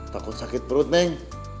takut sakit perut neng